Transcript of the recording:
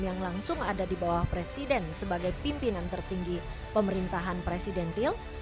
yang langsung ada di bawah presiden sebagai pimpinan tertinggi pemerintahan presidentil